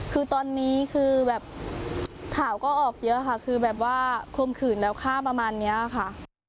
คือตอนนี้คือแบบข่าวก็ออกเยอะค่ะคือแบบว่าคมขืนแล้วฆ่าประมาณนี้ค่ะ